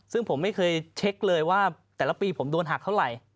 ซึ่งผมไม่เคยเช็คเลยว่าแต่ละปีผมโดนหักเท่าไหร่